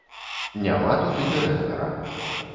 Няма тут і дырэктара.